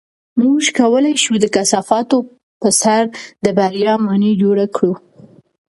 موږ کولی شو د کثافاتو په سر د بریا ماڼۍ جوړه کړو.